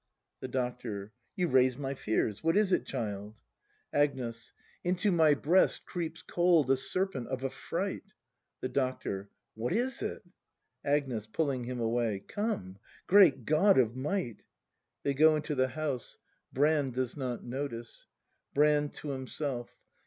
The Doctor. You raise my fears! What is it, child ? ACT III] BRAND 139 Agnes. Into my breast Creeps cold a serpent of affright — .f The Doctor. What is it ? Agnes. [Pulling him away.] Come!— Great God of Might! [They go into the house; Brand does not notice. Brand. [To himself.